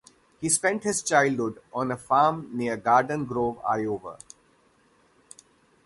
He spent his childhood on a farm near Garden Grove, Iowa.